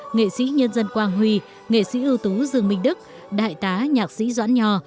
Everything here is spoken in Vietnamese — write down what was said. nghệ sĩ nhân dân quang huy nghệ sĩ ưu tú dương minh đức đại tá nhạc sĩ doãn nho